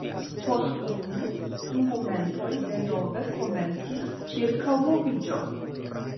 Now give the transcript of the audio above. Post unu, du momentoj denove komencis ĉirkaŭmoviĝo.